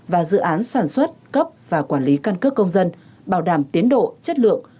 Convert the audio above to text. và dự án sản xuất cấp và quản lý căn cước công dân bảo đảm tiến độ chất lượng